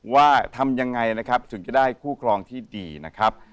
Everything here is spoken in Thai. ว่าทำยังไงนะครับถึงจะได้คู่ครองที่ดีนะครับ